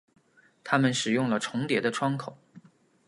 他们使用了重叠的窗口。